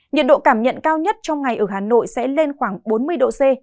nhiệt độ cảm nhận cao nhất trong ngày ở hà nội sẽ lên khoảng bốn mươi độ c